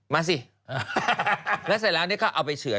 มาสิแล้วเสร็จแล้วนี่ก็เอาไปเฉือน